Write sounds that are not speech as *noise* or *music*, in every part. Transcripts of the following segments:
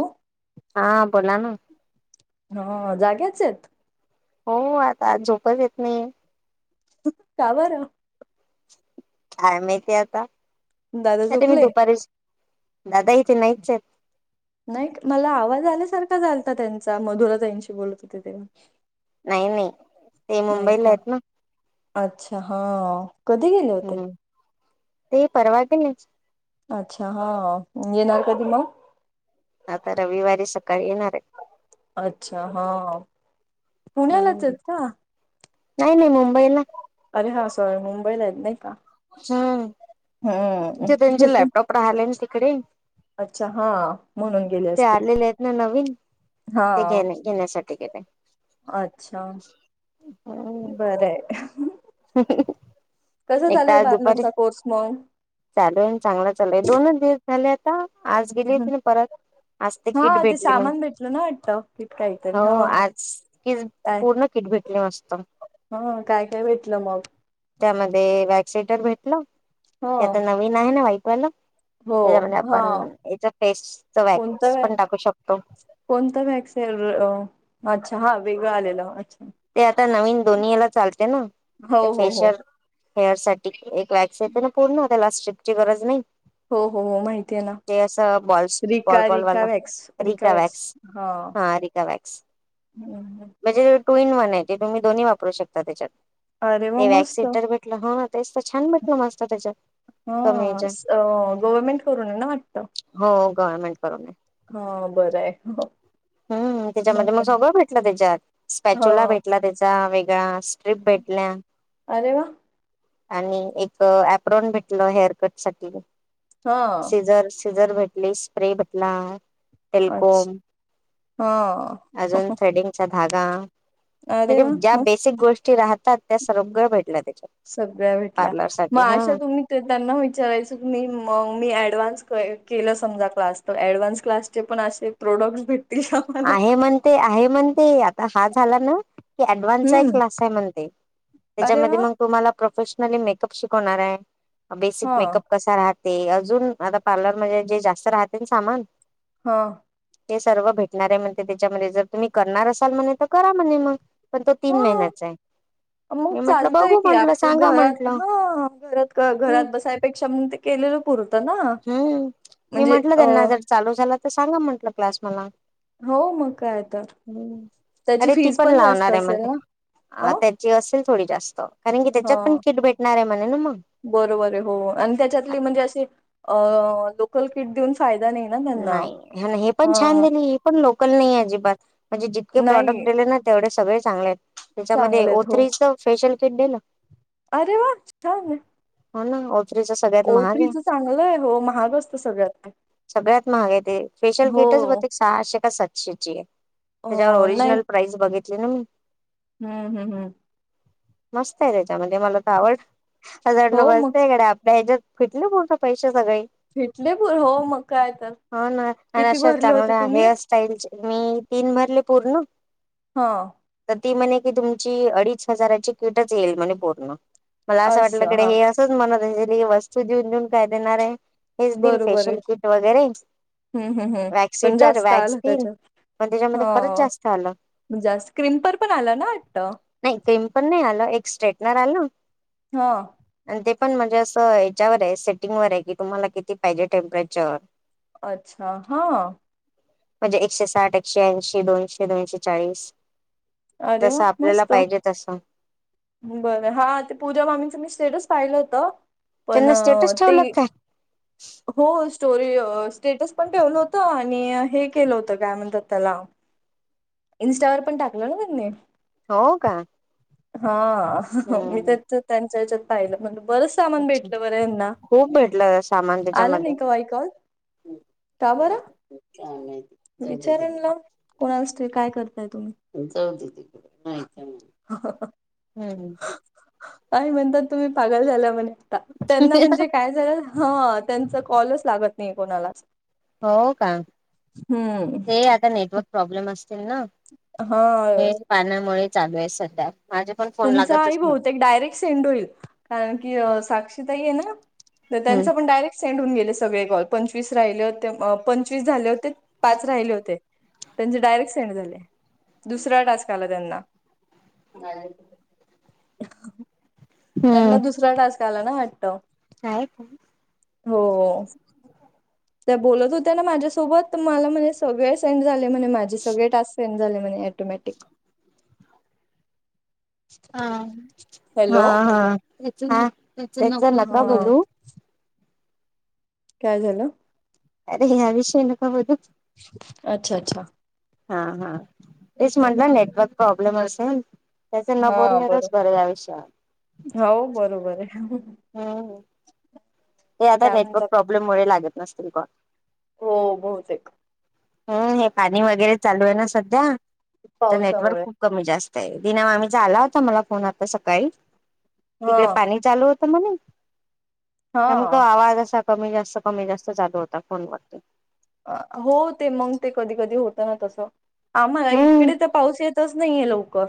ओ. हा बोला ना. हा जाग्याच आहेत. हो आता आज झोपाय देत नाही. का बरं? काय माहिती आता. दादा काय मी झोपले दुपारीच दादा इथ नाहीच हाय. नाही मला आवाज आल्यासारखा झाला त्यांचा, मधुराताईंशी बोलत होते तेव्हा. नाही नाही, ते नाही मुंबईला का आहेत ना. अच्छा हा. कधी गेले होते हम्म ते परवा तेनीच अच्छा हा, येणार कधी मग? आता रविवारी सकाळी येणार आहे. अच्छा हा. पुण्यालाच हम्म आहेत का? नाही नाही मुंबईला अरे हा सॉरी मुंबईला आहेत नाही का. हम्म, हम्म ते हे त्यांचे पण लॅपटॉप राहिले ना तिकडे. अच्छा हा म्हणून गेले असतील. नाय नवीन, ते घेण्या घेण्यासाठी केलं. अच्छा हम्म बरं हाय. *unintelligible* कसं एक तर चालूय आज दुपारी पार्लरच्या कोर्स मग? चालू आहे आणि चांगला चालू आहे. दोनच दिवस झाले आता आज गेली हं. होती ना परत. आज तिकीट हा ते भेटली मग. सामान भेटलं ना वाटतं की काहीतरी हो हा आज किज पूर्ण किट भेटले मस्त. हां काय काय भेटलं मग? त्यामध्ये वॅक्सिटर भेटलं. ह ते आता नवीन आहे ना व्हाईटवालं हो त्याच्यामध्ये हा आपण याचा फेसचं कोणता व्या वॅक्सपण टाकू शकतो‌. कोणता वॅक्स आहे, अच्छा हा वेगळं आलेलं अच्छा. ते आता नवीन दोन्ही याला चालते ना. हो ते हो हो फेशियल हेअर साठी एक वॅक्स येते ना पूर्ण हो त्याला स्ट्रिपची गरज नाही. हो हो हो माहिती आहे ना ते असं बॉलस बॉल बॉल वालं, रिका वॅक्स. हा रिका वॅक्स. हम्म हम्म. म्हणजे टू इन वन आहे, ते तुम्ही दोन्ही वापरू शकता त्याच्यात. अरे वा ते वॅक्स मस्त हीटर भेट म्हटलं हो तेच तर छान भेटलं मस्त त्याच्यात. हो कमी याच्यात असं गवर्मेंट करून आहे ना वाटतं. हो गव्हर्मेंट कडून हाय. हो बरं हाय. हम्म त्याच्यामध्ये मग सगळं भेटलं त्याच्यात. हा स्पॅच्युला भेटला त्याच्या *unintelligible* वेगळ्या स्ट्रिप भेटल्या. अरे वाह. आणि एक एप्रोन भेटलं हेअरकट साठी. हा सिझर सिझर भेटली, स्प्रे भेटला. टेलकोम अच्छा हा. अजून थ्रेडिंगचा धागा, अरे म्हणजे वा ज्या मस्त बेसिक गोष् ते राहतात त्या सर्व भेटल्या त्याच्यात. सगळ्या भेटल्या पार्लर मग साठी हा अशा तुम्ही ते त्यांना विचारायचं की मी मग मी ॲडव्हान्स काय केलं समजा क्लास, तर ॲडव्हान्स क्लासचे पण असे प्रोडक्ट्स भेटतील का? मला? आहे म्हणते, आहे म्हणते आता हा झाला ना हे ऍडव्हान्सचा हम्म क्लास आहे म्हणते अरे त्याच्यामध्ये वा मग तुम्हाला प्रोफेशनली मेकअप शिकवणार आहे बेसिक हा मेकअप कसा राहते अजून आता पार्लर मध्ये जे जास्त राहतील सामान ह ते सर्व भेटणारे म्हणते त्याच्यामध्ये जर तुम्ही करणार असेल म्हणे तर करा म्हणे मग पण तो तीन हा महिन्याचा आहे मग मी म्हटलं चालतय बघू की म्हंटलं आपल्या सांगा घरात म्हंटलं हा घरात का घरात हम् बसायपेक्षा म्हणून ते केलेलं पुरतं ना हम्म मी म्हणजे म्हटलं अ त्यांना जर चालू झाला तर सांगा म्हटलं क्लास मला हो मग काय तर हम्म त्याची अरे ती फीज पण जास्त लावणार आहे म्हल असेल ना अ त्याची असेल थोडी जास्त कारण की ह त्याच्यात पण किट भेटणार आहे म्हणेल न मग बरोबर आहे हो आणि त्याच्यातली म्हणजे अशी लोकल किट देऊन फायदा नाही ना त्यांना. नाही आणि हे पण हा छान दिली हे पण लोकल नाही अजिबात म्हणजे जितके प्रॉडक्ट नाही दिले ना तेवढे सगळे चांगले आहेत त्याच्यामध्ये चांगले ओ आहेत हो. थ्रीच फेशियल किट दिलं अरे वा छान आहेत हो ना ओ थ्री जास्त ओ थ्री च्या चांगलं आहे हो महाग असत सगळ्यात सगळ्यात महाग आहेत ते फेशियल हो किटच मग ते सहाशे का सातशे ची आहे अ त्याच्यावर ओरिजिनल प्राइस बघितली ना मी ह, ह, हम् मस्त आहे त्याच्यामध्ये मला तर आवडला असं हो वाटलं मग बसतयकडे आपल्या ह्याच्यात कुठले बोलतं पैसे सगळे भेटले पर हो मग काय तर हो ना आणि किती अशा भरले होते चांगल्या तुम्ही? हेअर सटाईल मी तीन भरले पूर्ण हा तर ती म्हणे कि तुमची अडीच हजाराची किटच येईल म्हज पूर्ण मला असं वाटलंकडे हे असंच मणत की वस्तू देऊन, देऊन काय देणार आहे हेच दिलं फेशियल किट वगैरे हम्म, हम्, हम् वॅक्स पण हिटर जास्त वॅक्स आला पिन त्याच्यात पण त्याच्यामध्ये खरंच जास्त आलं. हो जास क्रीम पण आला ना वाटत नाही क्रिमपण नाही आलो एक स्ट्रेटनर आल. हो आणि ते पण म्हणजे असं याच्यावर आहे सेटिंग वर आहे कि तुम्हाला किती पाहिजे टेम्परेचर अच्छा हा म्हणजे एकशे साठ एकशे ऐंशी दोनशे, दोनशे चाळीस अरे वा! जसं आपल्याला मस्त. पाहिजे तसं बरं हा ते पूजा मामीचं मी स्टेटस पाहिलं होतं पण त्यांना स्टेटस ते ठेवलं काय हो स्टोरी अ स्टेटस पण ठेवलं होतं आणि हे केलं होतं काय म्हणतात त्याला इन्स्टा वर पण टाकलं ना त्यांनी हो का हा मी हम्म. तेच त्यांच्या हच्यात पाहिलं म्हण बरंच सामान अच्छा भेटलं बरं यांना खूप भेटलं सामान आला नाही त्याच्यामध्ये का बायकॉल का बर विचार ना कोणालास तर काय करताय तुम्ही हम्म हम्म काय म्हणतात तुम्ही पागल झाला म्हणता त्यांना म्हणजे काय तर हा त्यांचा कॉलच लागत नाही कोणाला हो का, ते आता नेटवर्क प्रॉब्लेम असतील ना. हा. हे पाण्यामुळे चालू आहे सध्या. माझे पण फोन तुमचाही लागतच नाही बहुतेक डायरेक सेंड होईल कारण की अ साक्षी ताई हाय ना हम्म त्यांचा पण डायरेक सेंड होऊन गेले सगळे कॉल पंचवीस राहिले होते पंचवीस झाले होते पाच राहिले होते. त्यांचे डायरेक्ट सेंड झाले, दुसरा टास्क आला त्यांना. *inaudible* त्यांना दुसरा टास्क आला ना वाटतं. हाय पण हो. त्या बोलत होत्या ना माझ्यासोबत मला म्हणे सगळे सेंड झाले म्हणे माझे सगळे टास्क. झाले म्हणे ऍटोमॅटिक. हा, हा हॅलो हा, हेच हेच नका हा बोलू. काय झालं? अरे ह्या विषय नका बोदू. अच्छा अच्छा. हा हा तेच म्हंटलं नेटवर्क प्रॉब्लेम असेल. त्याचा न हा बोललेलाच बरोबर बरं यायुषयात. हो बरोबर आहे. हम्म हे आता काय नेटवर्क म्हणतात प्रॉब्लेम मुळे लागत नसतील कॉल. हो बहुतेक. हम्म हे पाणी वगैरे चालू आहे ना सध्या तर नेटवर्क पावसामुळे खूप कमी जास्त आहे दिना मामीचा आला होता मला फोन आता सकाळी हा तिकडे पाणी चालू होता म्हणे. त्यामुळ तो हा आवाज असा कमी जास्त कमी जास्त चालू होता फोन वरती. अ हो ते मंग ते कधी कधी होतं ना तसं. आम्हाला हम्म इकडे तर पाऊस येतच नाहीये लवकर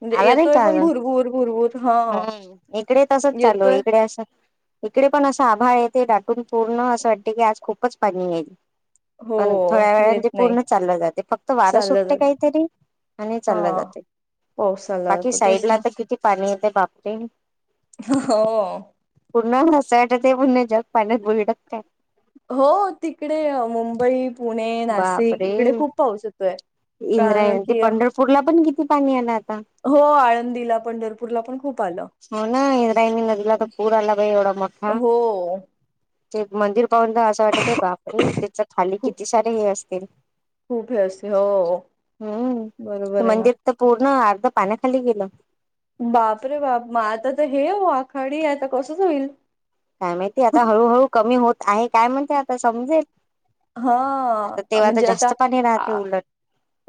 म्हणजे आला नाही येतोय का पण अजून घुरघुर घुरघुर हा. हम्म इकडेही तसच चालू आहे, येतोय इकडे असं. इकडे असं आभाळ आहे. ते दाटून पूर्ण असं वाटते की आज खूपच पाणी येईल. हो पण थोड्या वेळाने येत ते नाही पूर्ण चाललं जातंय, फक्त वारं चाललं सुटते जात काहीतरी. आणि चाललं हा जाते पाऊस चालला बाकी जातो साईड तेच ला ना तर किती पाणी येते बापरे. हो. पूर्ण हसायट ते पण याच्यात पाण्यात बुरी टाकतय. हो तिकडे अ मुंबई पुणे, नाशिक बापरे इकडे खूप पाऊस होतोय कारण की कुडला पण की ते पाणी आलं आता. हो आळंदीला, पंढरपूरला पण खूप आलं. हो ना इंद्रायणी नदीला तर पूर आला बाई एवढा मोठा. हो. ते मंदिर पाहूनदा असं वाटत आहे बापरे त्याच खाली खूप किती सारे हे असतील. खूप हे असते हो बरोबर आहे ना. ना अर्धा पाण्या खाली गेलं. बाप रे बाप म आता तर हे हो आखाडी आता कसच होईल. काय माहितीय आता हळूहळू कमी होत आहे काय म्हणते आता समजेल. आता हां, तेव्हा आता जास्त पाणी राहते उलट.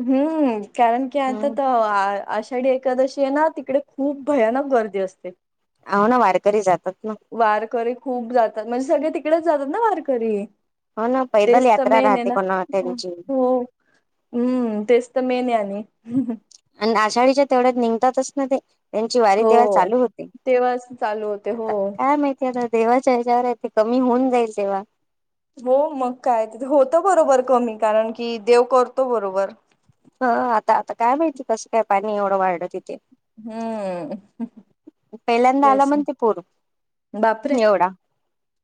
हम्म, कारण की आता हम्म तो आ आषाढी एकादशी आहे ना तिकडे खूप भयानक गर्दी असते. हाव ना वारकरी जातात ना. वारकरी खूप जातात म्हणजे सगळे तिकडेच जातात ना वारकरी. हो ना पैदल तेच तर यात्रा मेन आहे राहते ना कोणा त्यांची हो. हम्म तेच तर मेन आहे आणि आणि आषाढीच्या तेवढ्यात निंगतातच ना ते. त्यांची वारी हो, तेव्हा चालू होती तेव्हाच चालू होते. हो, आता काय माहित. ते आता देवाच्या हेच्यावर आहे ते कमी होऊन जाईल तेव्हा. हो मग काय तिथे होतं बरोबर कमी कारण की देव करतो बरोबर. हा आता आता काय माहिती कसं काय पाणी एवढं वाढलं तिथे. हम्म. पहिल्यांदा आला म्हण ते पूर बापरे! एवढा.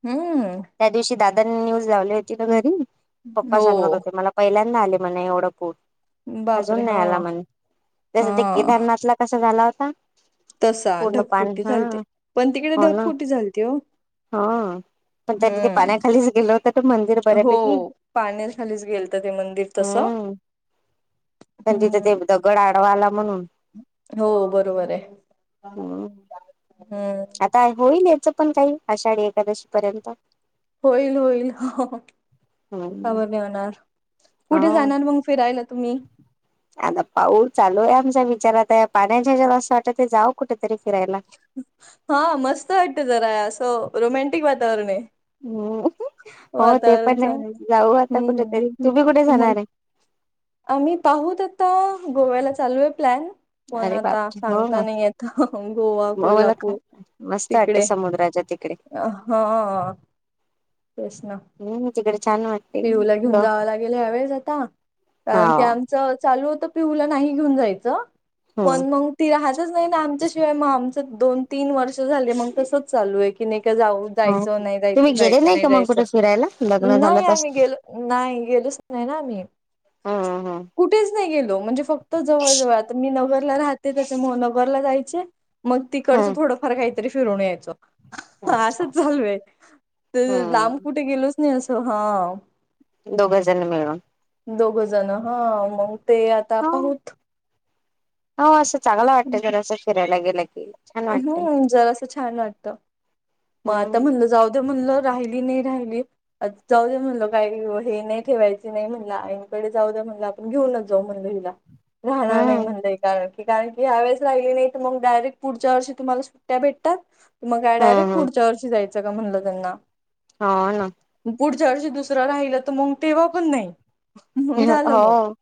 हं. त्या दिवशी दादांनी न्यूज लावली होती ना घरी हो पप्पा सांगत होते मला पहिल्यांदा आले म्हण एवढं पूर बापरे अजून हा नाही आला म्हण जसं ते हा केदारनाथला कशा झाला होता? तसा पूर्ण पान ढगफुट्टी हा झालते पण तिकडे हो ना ढकफुटी झालती हो. हा पण त्यांनी ते हम्म पाण्याखालीच गेलं. तटं मंदिर हो बऱ्यापैकी पाण्याखालीच गेलत ते मंदिर तसं हम्म. पण तिथं हम्म ते दगड आडवा आला म्हणून. हो बरोबर आहे हम्म हम्म. आता होईल याचा पण काही आषाढी एकादशी पर्यंत. होईल होईल का हम्म बर नाही होणार हा कुठे जाणार मंग फिरायला तुम्ही. आता पाऊल चालू आहे आमचा विचारात आहे पाण्याच्या ज्याला असं वाटत ते जाव कुठेतरी फिरायला. हा मस्त वाटते जरा असं रोमॅंटिक वातावरण आहे. हम्म हो ते वातावरण पण आहे चांगलं जाऊ आता, कुठेतरी हम्म तुम्ही कुठे मग जाणार आहे? आम्ही पाहूत आता गोव्याला चालू आहे प्लॅन. पण अरे आता बापरे हो सांगता का नाही येता गोवा, म मला ख कोल्हापूर मस्त वाटते तिकडे समुद्राच्या तिकडे अ हा तेच ना हम्म तिकडे छान वा पिहुला घेऊन जावं लागेल ह्यावेळेस आता हा कारण की आम चालूत पिऊला नाही घेऊन जायचं पण हम्म मग. ती राहतच नाही ना आमच्याशिवाय म आमच दोन-तीन वर्ष झाली मंग तसच चालू आहे की नाही का जाऊ. हो जायच नाही जायच तुम्ही गेले जायच नाही का मग जायचं कुठे फिरायला लग्न झालं नाय तस आम्ही गेलो नाही गेलच नाही ना आम्ही हम्म हम्म कुठेच नाही गेलो म्हणजे फक् त जवळ-जवळ आता मी नगरला राहते त्याच्यामुळे नगरला जायचे मग तिकडचं हम्म थोडं फर काहीतरी फिरून यायच अच्छा असं चालू आहे तर लांब हम्म कुठे गेलोस नी असं हाव. दोघं जणे मिळून. दोघं जणं हा मंग ते आता पाहुत. हा असं चांगला वाटतं जर असं फिरायला गेलं की. छान वाटते हम्म जरासा छान वाटतं. मग आता हम्म म्हणलं, जाऊदे म्हणलं राहिली नाही राहिली. जाऊ दे म्हणल काही हे नाही ठेवायचे नाही म्हणलं आईन कडे जाऊ दे म्हणलं घेऊनच जाऊ म्हणलं हिला, राहणार नाही हम्म म्हणलं ही काय. की कारण की ह्यावेळेस राहिली नाही तर मग डायरेक्ट पुढच्या वर्षी तुम्हाला सुट्टया भेटतात मग काय डायरेक्ट हम्म हम्म चर्च जायचं का म्हणलं त्यांना. हाव ना. पुढच्या वर्ष दुसरं राहिलं, तर मग तेव्हा पण नाही. मग ह झालं मग हो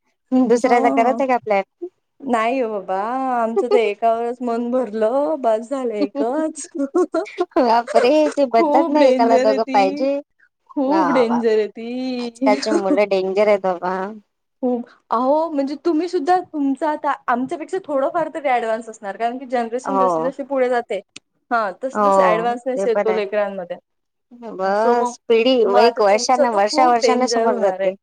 दुसऱ्याचा ह करत आहे का आपल्या *unintelligible* नाही बाबा आमचं तर एकावरच मन भरलं. बास *unintelligible* बापरे. ते बनतात खूप ना एकाला डेंजर आहे दोघं ती पाहिजे वा खूप वा डेंजर आहे ती आजकालचे मुलं डेंजर आहेत बाबा. हो अहो म्हणजे तुम्हीसुद्धा तुमचा आता आमच्यापेक्षा थोडंफार तरी ऍडव्हान्स अस कारण की जनरेशन हो जशी-जशी पुढे जाते हा तस तस हो ते ऍडव्हान्सनेस पण येतो लेकरांमध्ये. आहे असो मग बस पिढी म आता एक तुमचा वर्षांना तर वर्षा खूप वर्षांना डेंजर समोर होणार आहे. जाते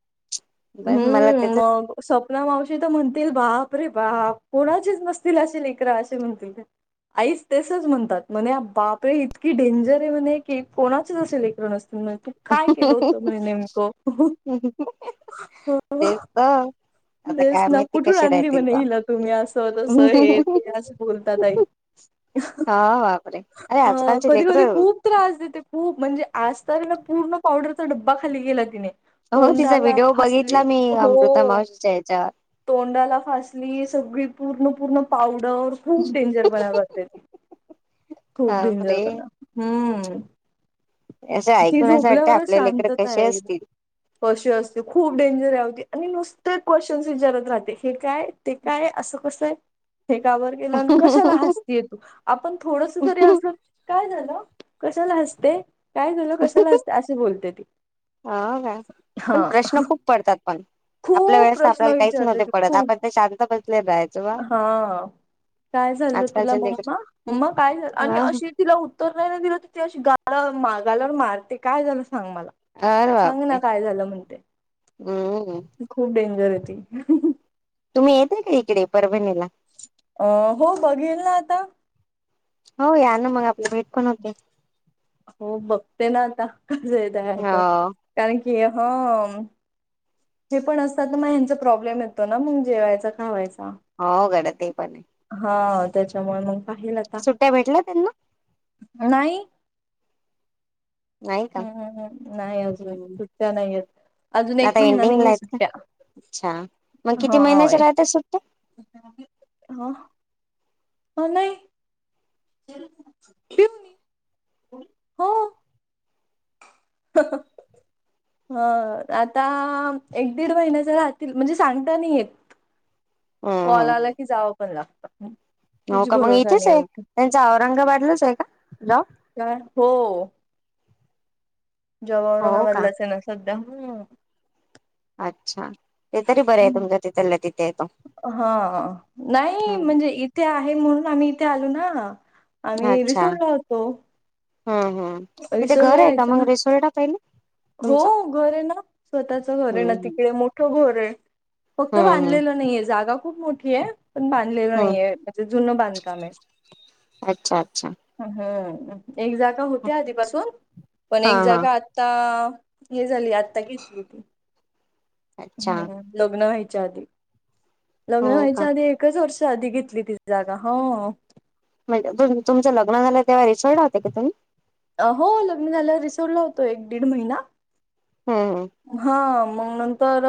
बस मला हम्म त्याच मग. स्वप्ना मावशी तर म्हणतेच बाप रे बाप, कोणाचेच नसतील अशी लेकरं असे म्हणतील ते. आईच तेसच म्हणतात, म्हणे बापळे ही इतकी डेंजर आहे म्हणे की कोणाच नसेल *unintelligible* म्हणे तू काय केलं होतं म्हणजे नेमकं? तेच तर आता काय नेसना माहिती कुठून कसे आणली राहतील म्हणे बा हिला तुम्ही, असं तसं हे ते अस बोलतात आई. हा बापरे अरे हो आजकालचे कधी लेकर कधी खूप त्रास देते खूप म्हणजे आज तर हाय ना पूर्ण पावडरचा डब्बा खाली केलाय तिने. हो तिचा तोंडाला फासली, हो. तिच्या याच्यात. तोंडाला फासली सगळी पूर्ण पूर्ण पावडर. खूप डेंजरपणा करतंय, खूप बापरे डेंजरपणा. हम्म. असं ती ऐकून असं वाटतं झोपल्यावरच आपल्या लेकरं शांतता कसे येईल. असतील कशी असते खूप डेंजरया होती आणि नुसतं क्वेश्चन्स विचारत राहते. हे काय, ते काय असं कसं हाय? हे का बर केेलं आणि कशाला हो हसते तू? आपण थोडस जरी हसलं काय झालं, कशाला हसते? काय झालं कशाला हसते? अशी बोलते ती. आं हा पण हा प्रश्न खूप पडतात पण, आपल्या वेळे खूप तसं प्रश्न आपल्याला काहीच विचारते नव्हते ती पडत. खूप आपण ते शांत बसले राहायच वा. हा काय झालं तुला मम्मा मम्मा काय झालं आणि हा अशी तिला उत्तर नाही ना दिलं तर ती अशी गालावर गालावर मारते, काय झालं सांग मला. अरे सांग बापरे ना काय झालं म्हणते. हम्म खूप डेंजर आहे ती. तुम्ही येत नाही का इकडे परभणीला? अ हो बघेल ना आता. हो या ना मग, आपली भेटपण होते. हो बघते ना आता, कस येत आहे आता. हो कारण की की हम्म. जे पण असतात ना म ह्यांचा प्रॉब्लेम येतो ना मग जेवायचा, खावायचा. हो गड्या ते पण हाय. हा त्याच्यामुळे मग पाहिलात सुट्ट्या भेटल्या त्यांना? नाही. नाही का हम्म हम्म हम्म, नाही अजून हम्म सुट्ट्या नाहीयेत. अजून एक आता महिना एंडिंगला नाहीये आहेत का सुट्ट्या, अच्छा मग किती महिन्याच्या होय. राहतात सुट्ट्या हो हो नाही. ठेवू मी? हो. *unintelligible* हं आता एक दीड महिन्याच राहतील, म्हणजे सांगता नाही येत. हम्म कॉल आला की जावंपण लागतं. हाव कुछ का मग भरोसा इथेच नाही आहे उनका त्यांचा औरंगाबादलाच आहे का जॉब? काय? हो. जॉब हो का औरंगाबादलाच आहे ना सध्या म्हणून अच्छा ते तरी बरं आहे तुमच्या तिथला तिथे आहे तो. हा. नाही हम्म म्हणजे इथे आहे म्हणून, आम्ही इथे आलो ना. आम्ही अच्छा रिसोडला होतो. हम्म हम्म. इथे घर रिसोर्टला आहे का राहायचं ना मग रेस्टोरट आहे पहिले? हो तुमचं घर आहे ना स्वतःच घर आहे ना हम्म तिकडे मोठं घर आहे. फक्त हम्म हम्म बांधलेलं नाहीये जागा खूप मोठ ती ए पण बांधलेलं हम्म नाहीय म्हणजे जुनं बांधकाम आहे. अच्छा अच्छा हम्म एक जागा होत्या आधीपासून, पण हा एक हा जागा आता हे झाली आता घेतली होती अच्छा हम्म. लग्न व्हायच्या आधी लग्न हो का व्हायच्या आधी. एकच वर्ष आधी घेतली ती जागा हो. म्हणजे तुमचं लग्न झालं तेव्हा रिसॉर्ट होते का तुम्ही? हो लग्न झाल्यावर रिसॉर्टला होतो एक दीड महिना. हम्म हम्म. हा मंग नंतर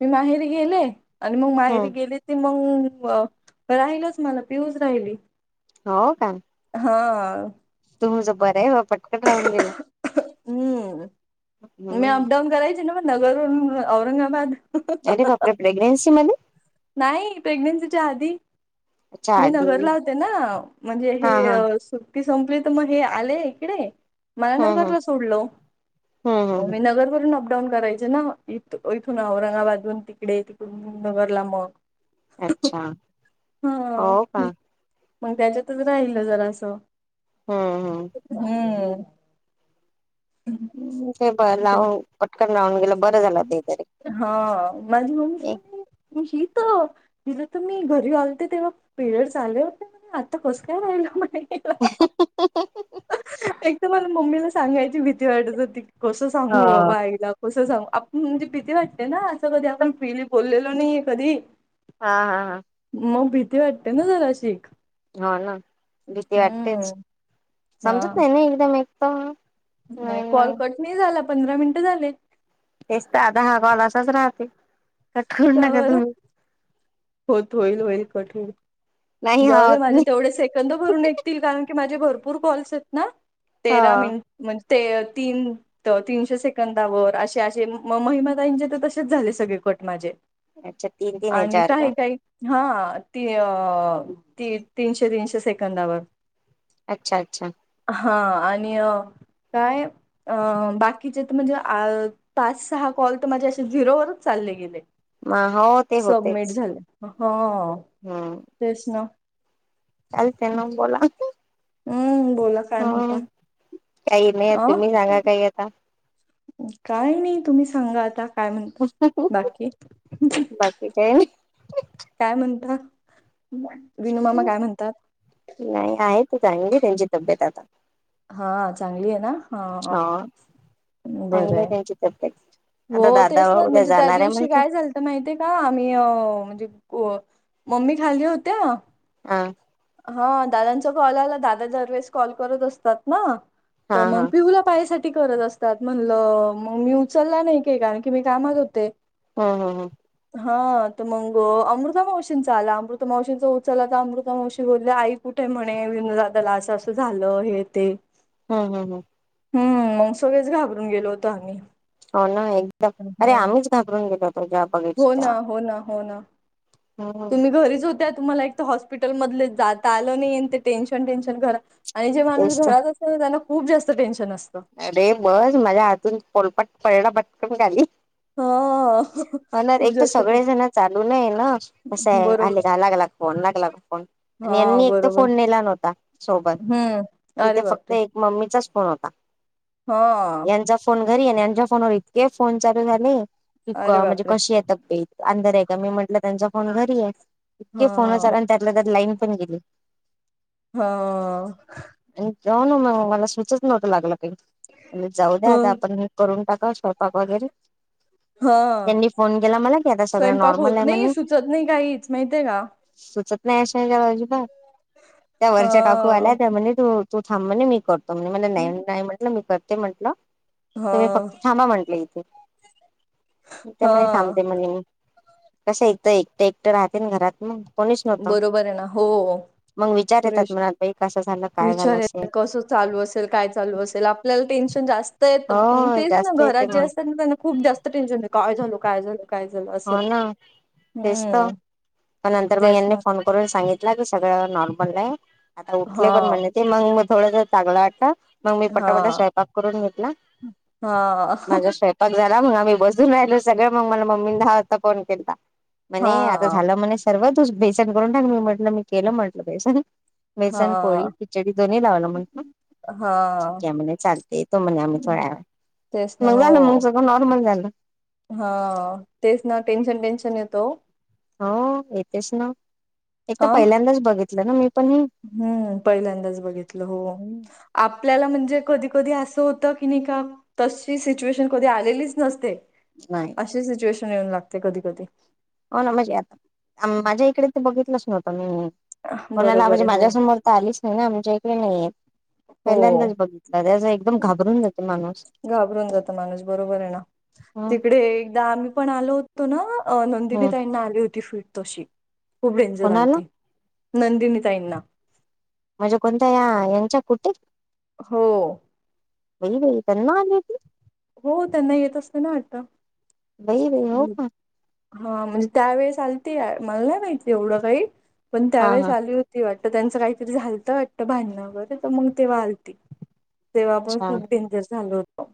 मी माहेरी गेले आणि मग माहेरी हम्म गेले ते मग राहिलच मला पियूस राहिली हो का? हा तुझं बरं आहे पटकन राहून गेलं. हम्म मी हम्म अप डाऊन करायचे नव्ह नगर वरून औरंगाबाद. अरे का कपडे प्रेग्नसी मध्ये नाही प्रेग्नेन्सीच्या आधी अच्छा मी आधी नगरला होते ना म्हणजे हा हा हे सूप ती संपली तर मग हे आले इकडे. मला हम्म हम्म नगरला हम्म सोडलं हम्म मी नगरवरून डाऊन करायचे ना इथ इथून औरंगाबादून तिकडे तिकून नगरला मग अच्छा हा हो का मग त्याच्यातच राहिल जरास. हम्म हम्म हम्म. हम्म. हम्म ते ब ते- लावून पटकन लावून गेलं बरं झालं ते तरी हा माझी मम्मी *inaudible* ही त तिथ तर मी घरी लते तेव्हा पिरियड आले होते, म्ह आता कस काय राहिल म्हणे अहं. एक तर मला मम्मीला सांगायची भीती वाटत होती. कसं हा. सांगू बाईला कसं सांगू आप म्हणजे भीती वाटते ना असं कधी आपण पिली बोललेलो नाही कधी. हा हा हा. मग भीती वाटते ना जरा शीख. हो ना भीती वाटतेच, हा समजत नाही ना एकदम एक तर. नाही कॉल कट नाही झाला पंधरा मिनिटं झाले. तेच तर दहा कॉल असच राहते, कट करून का नका बरं तुम्ही. होत होईल होईल कठ नाही हा जाऊ दे होत माझे नाही तेवढे सेकंद भरून ऐकतील कारण की माझे भरपूर कॉल्स आहेत ना. तेरा हो मिनिट म्हणजे ते तीन तर तीनशे सेकंदावर असे असे महिम ताईचे तर तसेच झाले सगळे कट माझे अच्छा तीन तीन आणि याच्यावर काही का काही हा ते अ ती तीनशे तीनशे सेकंदावर. अच्छा अच्छा. हा आणि अ काय? अ बाकीचे तर म्हणजे पाच सहा कॉल तर माझे असे झिरोवरच चालले गेले मग हो ते सबमिट होतेच झालं, ह हो. हम्म. नव. कालच्या नो बोला. हम्म बोला काय म्हणता हो. काही नाही अ तुम्ही सांगा काही आता? काय नाही तुम्ही सांगा आता. काय म्हणता बाकी *unintelligible* बाकी काय ने. काय म्हणता, विनू मामा काय म्हणतात? नाही आहे की चांगली त्यांची तब्येत आता. हा हा, चांगली आहे ना हा हा हा. हो चांगली आहे त्यांची तब्येत. हो आता दादा तेच ना उद्या म्हणजे त्या जाणार आहे दिवशी म्हणते काय झाल माहितीय का आम्ही म्हणजे मम्मी खाल्ली होत्या. हा. हा दादांचा कॉल आला. दादा दरवेेळेस कॉल करत असतात ना. हा तर मग हा पिहुला पायासाठी करत असतात म्हणलं मग मी उचल का नाही केला, की मी कामात होते. हम्म हम्म हम्म. हा तर मग अमृता मावशींचा आला अमृता मावशींचा उचल तर अमृता मावशी बोलले आई कुठे म्हणे विनदादाला असं असं झालं हे ते. हम्म हम्म हम्म. हम्म, मग सगळेच घाबरून गेलो होतो आम्ही. हो ना एकदम, अरे हम्म आम्हीच घाबरून गेलो होतो जेव्हा बघितलं हो ना तेव्हा हो ना हो ना, हम् तुम्ही घरीच हो त्यात तुम्हाला एक तर हॉस्पिटल मधले जाता आलं नाही आणि ते टेन्शन टेन्शन घरा आणि जे माणूस तेच तर घरात असल, त्यांना खूप जास्त टेन्शन असतं. अरे बस माझ्या हातून पोलपाट परणा भटकन झाली. हअ. हो. हो ना एक तर सगळेजण चालू नाहीय ना. कसं आहे बरोबर आले का लागला का फोन, लागला का फोन? आणि हा यांनी एक तर बरोबर फोन नेला नव्हता सोबत हम्म अरे तिथे फक्त एक मम्मीचाच फोन होता. हो यांचा फोन घरी आणि यांच्या फोनवर इतके फोन चालू झाले, की अरे म्हणजे बापरे कशी आहे तब्येत? अंधार आहे का मी म्हंटलं त्यांचा फोन घरी आहे हा इतके फोन चाला आणि त्यातला तर लाईन पण गेली. ह. आणि तेव्हा ना मग मला सूचच नव्हता लागलं काही. म्हणलं जाऊ द्या ह आता आपण करून टाकावा स्वंयपाक वगैरे? हा त्यांनी फोन केला मला कि आता सगळं स्वयंपाक नॉर्मल होत आहे नाही म्हणे. सुचत नाही काहीच माहितीय का सुचत नाही अशाच्या बाजूबा त्या वरच्या काकू आल्या ह त्या म्हणजे तू. तू थांबणे मी करतो म्हणजे मला नाही नाही म्हटलं मी करते म्हटलं. हा तुम्ही फक्त थांबा म्हटलं इथ. त्या हा मणे थांबते म्हणे मी कश इथ एकटं एकट राहते ना घरात मग. कोणीच नव्हत. बरोबर आहे ना हो मग विचार फ्रेश येतात मनात बाई कसं झालं, काय विचार झालं असेल? येतात कसं चालू असेल, काय चालू असेल? आपल्याला टेन्शन जास्त तर येत मग. हो तेच ना जास्त येते घरात जे मग असतात ना त्, यांना खूप जास्त टेन्शन हाय काय झाल काय झाल? काय झालं असं हो ना तेच तर हम्म. पण नंतर तेच मग ना. फोन करून सांगितल की सगळं नॉर्मल आहे आता उठले पण हां, म्हणल. ते मग मग थोडं ज चांगलं वाटत. मग मी पटापटा हां, स्वंयपाक करून घेतला हां, माझा स्वयंपा पग झाला म्हणा आम्ही बसून राहिलो सगळं मग मला मम्मीने दहा वाजता फोन केलता. म्हणे आता हां, झालं म्हणे सर्वच बेसन करून टाक मी म्हटलं मी केलं म्हटलं बेसन. बेसनपोळी हां, खिचडी दोन्ही लावला मंग का? ठीक हां. आहे म्हणे चालते तो म्हणे आम्ही थोड्या तेच मग झालं मग सगळं नॉर्मल झालं. हा तेच ना टेन्शन टेन्शन येतो. हो येतेच ना एक तर हां, पहिल्यांदाच बघितलं ना मी पण हे. हम्म पहिल्यांदाच बघितलं हो. आपल्याला म्हणजे कधी-कधी असं होतं की नाही का तशी सिच्युएशन कधी आलेलीच नसते. नाही अशी सिच्युएशन येऊन लागते कधी-कधी. हो ना म्हणजे आता माझ्या इकडे ते बघितलंच नव्हतं मी कोणाला बरोबर म्हणजे आहे हो माझ्यासमोर तालीच नाही ना आमच्या इकडे नाहीये. हो पहिल्यांदाच बघितलं त्याचा एकदम घाबरून जातो माणूस. घाबरून जात माणूस बरोबर आहे ना ह तिकडे एकदा आम्ही पण आलो होतो ना नंदिनी तईंना आली होती फिट तशी, खूप डेंजर कोणाला आलती. नंदनी ताईंना. म्हणजे कोणत्या या यांच्या कुठे? हो. वेई वई त्यांना आले त हो त्यांना येत असते ना वाटतं. बाई बाई हो हम्म. का. हा म्हणजे त्यावेेळेस आलते मला नाही माहिती एवढं काही पण हा त्यावेेळेस हा आली ते वाटतं त्यांचं काहीतरी झालतं वाटतं बांधणा वगैरे तर मंग तेव्हा आलती. तेव्हा पण अच्छा खूप डेंजर झालं होतं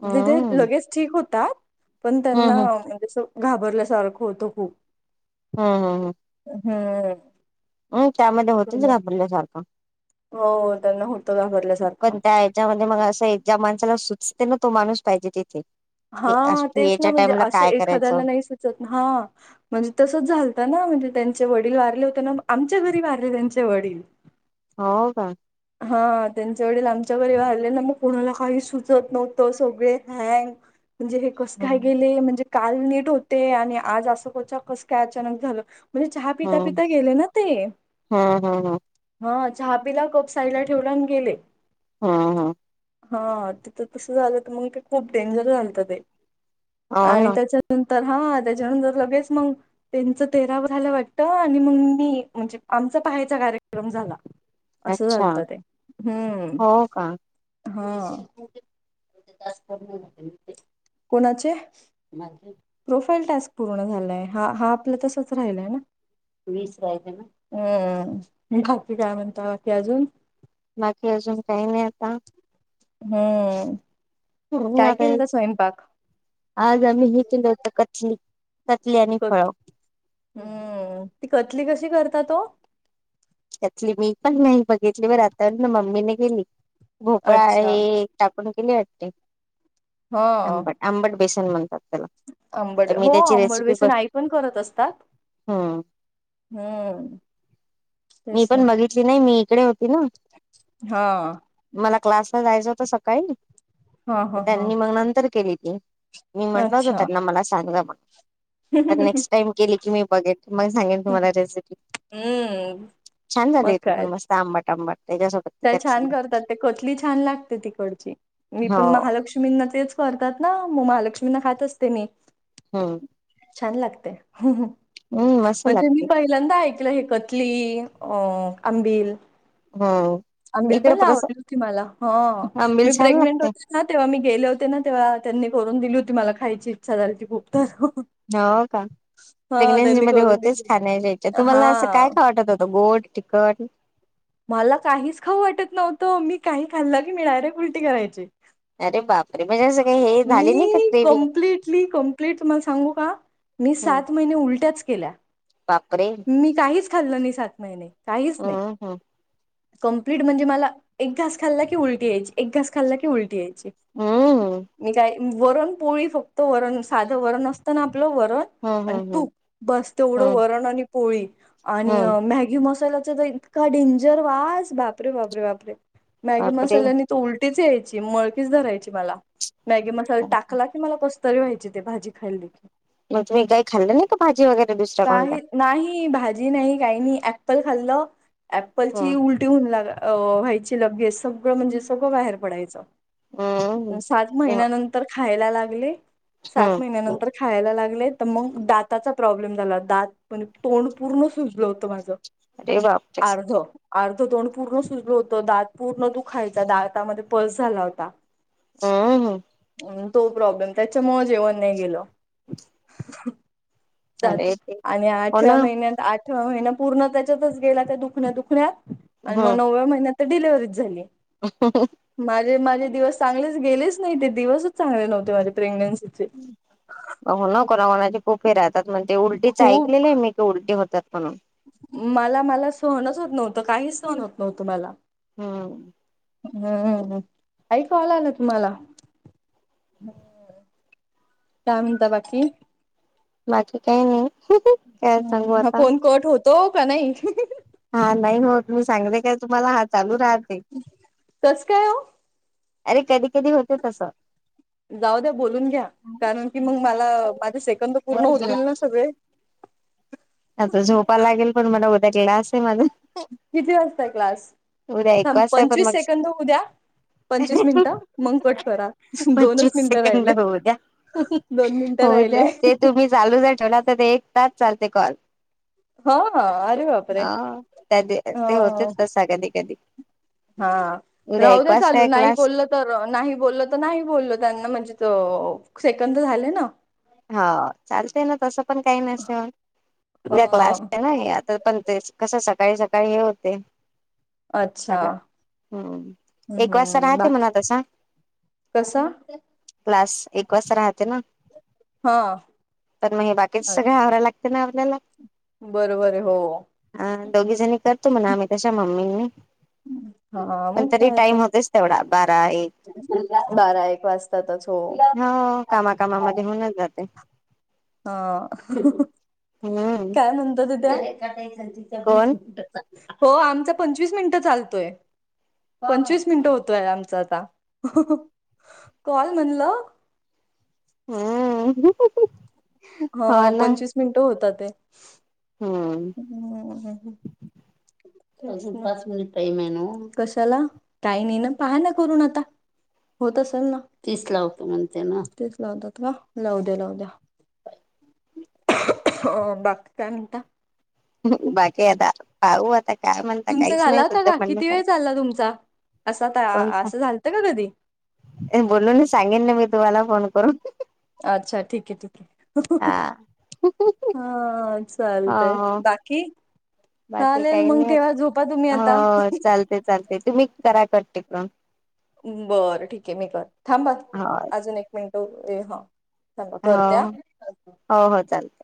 म्हणजे ते हम्म लगेच ठीक होतात. पण हम्म त्यांना हम्म म्हणजे असं घाबरल्यासारखं होतं खूप. हा हा हा. हम्म. होय त्यामध्ये होतीच बरोबर. यापुढले झाकून. हो त्यांना होत पण त्या हच्यामध्ये मग असं ज्या माणसाला सुचते ना तो माणूस पाहिजे तिथे. हा की तेच ना याच्या म्हणजे टाइमला असं काय करायचं एखाद्याला नाही सुचत हा. म्हणजे तसंच झालता ना म्हणजे त्यांचे वडील वारले होते ना आमच्या घरी वारले त्यांचे वडील. हो का? हा त्यांच्या वडील आमच्या घरी वाले ना मग कोणाला काही सुचत नव्हतं सगळे हँग म्हणजे हे कसं हं काय गेले म्हणजे काल नीट होते आणि आज असं क्चा कसं काय अचानक झालं. म्हणजे चहा हं पिता-पिता गेले ना ते. हं हं हं हा चहा पीला कप साईडला ठेवला आन गेले. हा हा. हा तिथं तसं झालं तर मंग ते खूप डेंजर झालत ते. हो आणि ना त्याच्यानंतर हा त्याच्यानंतर लगेच मग त्यांचं तेरवा झालं वाटतं आणि मंग मी म्हणजे आमचा पहायचा कार्यक्रम झाला. असं अच्छा झालत हम्म हो का हा. कोणाचे प्रोफाईल टास्क पूर्ण झालाय हा हा आपला तसच राहिलाय ना. हम्म बाकी काय म्हणता ते अजून? बाकी अजून काही नाही आता. हम्म हं काय आता हे केलत स्वयंपाक? आज आम्ही हे केलं होतं कटली, कटली आणि कत फळ हम्म ती कतली कशी करतात हो? कतली मी पण नाही बघितली, बर हातानं मम्मीने केली. भोपळा अच्छा आहे टा आपण केली वाटते, हा आंबट आंबट बेसन म्हणतात त्याला. आंबड, आता मी हो त्याची रेसिपी आंबडवेेसन बघ आई पण करत असतात. हं हम्म मी तेच ना पण बघितली नाही, मी इकडे होती ना. हा. मला क्लासला जायचं होत सकाळी, हा तर हा हा त्यांनी मग नंतर केली ती. मी म्हंटल होतं अच्छा. त्यांना, मला सांगा मग. आता नेक्स्ट टाइम गेली की मी बघेल मग सांगेन तुम्हाला रेसिपी. हम्म. छान मग झालेेण काय मस्त आंबाट आंबाट त्याच्यासोबत. त्या ती कचली छान करतात, ते कतली छान लागते तिकडची. मी हो पण महालक्ष् लक्ष्मींना तेच कररतात ना महालक्ष्मींना खात असते मी हम्म. छान लागतंय. हम्म मस्त म्हणजे मी लागते पाहि लंयदा ऐकलंय हे कतली अ आंबिल. हो. अंबिल पण लय आवडती होती मला. हा आंबिल मी छान प्रेग्नेंट लागते होते हा तेव्हा मी गेले होते ना तेव्हा त्यांनी करून दिली होती मला खायची इच्छा झाली ती खूप तर. हो का. हा प्रेग्नेन्सी त्यांनी मध्ये करून होतेच दिली खाण्याच्या इच्छा. तुम्हाला असं काय हा खावं वाटत होतं गोड? तिखट मला काहीच खाऊ वाटत नव्हतं मी काही खाल्लं की नाही मी डायरेक्ट उलटी करायचे. अरे बापरे. *unintelligible* हे सगळे हे मी झाली नाही का क्रेविंग कंप्लिटली कंप्लीट तुम्हाला सांगू का? मी हम्म सात महिने उलट्याच केल्या. बापरे. मी काहीच खाल्ल नाही, सात महिने काहीच नाही. हम्म हम्म कंप्लीट म्हणजे मला एक घास खाल्ला की उलटी यायच एक घास खाल्ला की उलटी याय हम्म *unintelligible* मी काय वरण पोळी फक्त वरण साधं वरण असतं ना आपलं वरण हम्म हम्म आणि हम्म तू बस तेवढं हम्म वरण आणि पोळी आणि. हम्म मॅगी मसाल्याचा तर इतका डेंजर वास बापरे बापरे बापरे. मॅगी बापरे मसाल्याने त उलटीच यायची मळकीच धरायची मला मॅगी मसाला टाकला की मला तरी व्हायचे ते भाजी खाईल देखील. मग तुम्ही काही खाल्लं नाही का, भाजी वगैरे दुसऱ्या काही कोणत्या? नाही भाजी नाही काही नाही ऍप्पल खाल्लं हम्म ऍप्पलची उल उलटी मला व्हायची लगेच सगळं म्हणजे सगळं बाहेर पडायचं, हम्म अ सात. महिन्यानंतर खायला लागले सात हम्म महिनंतर खायला लागले तर मग दातचा प्रॉब्लेम झाला दात पण तोंड पूर्ण सुजलं होत माझं, अरे बापरे अर्ध. अर्ध तोंड पूर्ण सुजल होतं, दात पूर्ण दुखायचा. दातमध्ये पस झाला होता. हम्म. तो प्रॉब्लेम त्याच्यामूळं जेवण नाही गेल. सात अरे ते आणि हो ना आठव्या महिन्यात आठ त्यो महिना पूर्ण त्याच्यातच गेला त्या दुखण्या दुखण्यात आणि मग हम्म नवव्या महिन्यात तर डिलिव्हरीच झाली. *unintelligible* माझे माझे दिवस चांगलेच गेलेच नाही ते दिवसच चांगले नव्हते माझे प्रेग्न्सीचे. *unintelligible* पोफे राहतात म्हण ते उलटीच खूप ऐकलेलं आहे मी. तो उलटे होतात म्हणून. मला मला सहनच होत नव्हतं, काही सहन होत नव्हतं मला. हम्म. हम्म. ऐकु आला ना तुम्हाला? काय म्हणता बाकी? बाकी काही नाही. काय सांगू आता? तो का नाही हा नाही हो मी सांगले काय तुम्हाला हा चालू राहते. कस काय ओ? अरे कधी कधी होतं तसं. जाऊ द्या बोलून घ्या, कारण की मग मला माझे सेकंद पूर्ण वर गेला होतील ना सगळे. आता झोपा लागेल, पण मला उद्या क्लास आहे माझा. किती वाजता हाय क्लास? उद्या एक थांब वाजता आहे पण पंचवीस मग सेकंद होऊ द्या. पंचवीस मिनिटं मग कट करा. दोनच पंचवीस मिनटं सेकंद राहिले. होऊ द्या दोन मिनटं राहिलंय. चालूच जर ठेवला, तर ते एक तास चालते कॉल. हा आरे बापरे हा त्या हा. ते होतेच तसा कधी कधी हा उद्या राहू एक दे वाजता चालू. आहे नाही क्लास बोललं तर नाही बोललं तर नाही बोललं त्यांना म्हणजे त सेकंद झाले ना. हा चालतंय ना तसं पण काही नसनं उद्या क्लास ह आहे ना. तर पण तेच कसं सकाळी सकाळी हे होते अच्छा सगळा हम्म एक वाजता हम्म राहते बाकी म्हणा तसा. कसा? क्लास एक वाजता राहते ना. हा. तर मग हे बाकीच सगळं आवराय लागते ना आपल्याला. बरोबर आहे हो. हा दोघीजणी करतो म्हणा आम्ही तशा मम्मी आणि मी. हा पण मग तरी काय तर टाइम होतयच तेवढा बारा एक. बारा एक वाज त्यातच हो. हो कामा कामामध्ये होऊनच जातंय. हो. हम्म. काय म्हणत्या त्या? कोण हो आमचा पंचवीस मिनटं चालतोय. पंचवीस मिनिटं होतोय आमचा आता. कॉल म्हणलं हम्म. हो पंचवीस मिनिटं होता ते. हम्म. हम्म. कशाला काही नाही ना पहा ना करून आता. होत असेल ना तीच लावत म्हणते ना. तीच लावतात का? लावू द्या लावू द्या. अं बाकी काय म्हणता? हं बाकी आता, पाहू आता. काय म्हणता तुमचं काहीच नाही झाला होता सध्या का? किती म्हणण्यासारखं. वेळ चालला तुमचा असा, असं फोन झालतं का कधी? बोलून सांगेन ना मी तुम्हाला फोनकरून. अच्छा ठीक आहे ठीक आहे. हा चालतंय. हो. बाकी की बाकी चालेल काही मग ठेवा झोपा तुम्ही आता. चालतंय तुम्ही करा कट तिकडून. बरं ठीक आहे मी कर थांब हो अजून एक मिनिट हा. थांबा करते हा. हा. हो हो चालतंय.